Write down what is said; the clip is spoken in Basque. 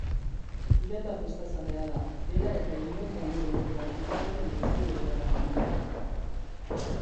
Pirata festazalea da bera eta inork baino hobeto daki piraten lezio ederrak ematen.